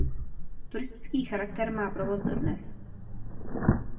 Turistický charakter má provoz do dnes.